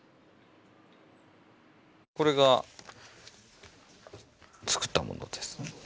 これが作ったものです。